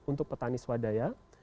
untuk petani swadaya